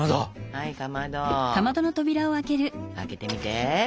はいかまど開けてみて。